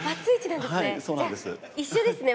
じゃあ一緒ですね